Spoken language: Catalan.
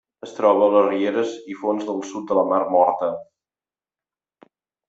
Es troba a les rieres i fonts del sud de la mar Morta.